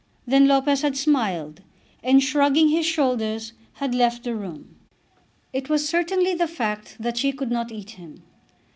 Then Lopez had smiled, and shrugging his shoulders had left the room. It was certainly the fact that she could not eat him.